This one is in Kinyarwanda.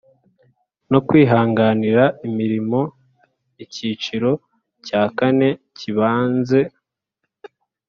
no kwihangira imirimo icyiciro cya kane kibanze